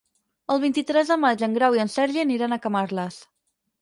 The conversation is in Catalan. El vint-i-tres de maig en Grau i en Sergi aniran a Camarles.